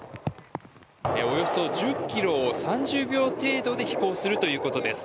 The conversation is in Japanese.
およそ１０ｋｍを３０秒程度で飛行するということです。